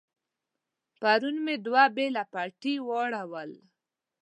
پرون مې دوه بېله پټي واړول.